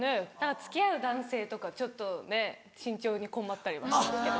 付き合う男性とかちょっとね身長に困ったりはするけど。